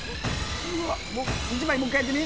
１番もう１回やってみ。